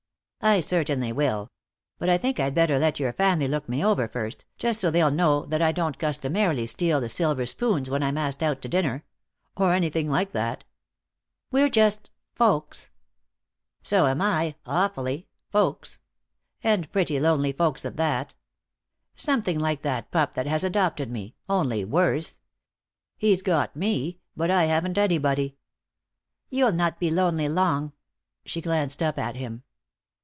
"I certainly will. But I think I'd better let your family look me over first, just so they'll know that I don't customarily steal the silver spoons when I'm asked out to dinner. Or anything like that." "We're just folks." "So am I, awfully folks! And pretty lonely folks at that. Something like that pup that has adopted me, only worse. He's got me, but I haven't anybody." "You'll not be lonely long." She glanced up at him.